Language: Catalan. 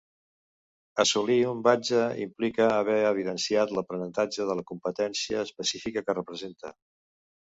Assolir un badge implica haver evidenciat l’aprenentatge de la competència específica que representa.